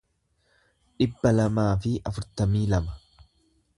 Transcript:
dhibba lamaa fi afurtamii lama